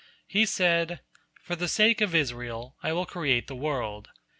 He said: "For the sake of Israel, I will create the world.